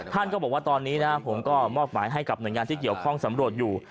ท่านก็บอกว่าตอนนี้นะผมก็มอบหมายให้กับหน่วยงานที่เกี่ยวข้องสำรวจอยู่